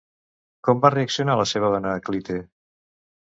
Com va reaccionar la seva dona Clite?